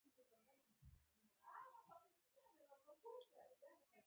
په اسلام آباد کې د یوې محکمې د ودانۍمخې ته